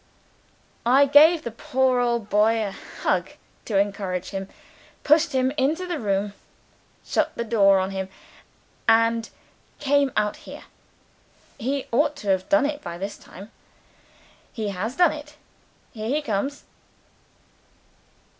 I gave the poor old boy a hug to encourage him, pushed him into the room, shut the door on him, and came out here. He ought to have done it by this time. He has done it! Here he comes!"